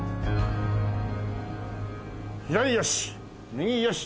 左よし右よし。